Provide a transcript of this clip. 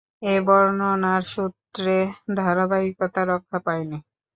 এ বর্ণনার সূত্রে ধারাবাহিকতা রক্ষা পায়নি।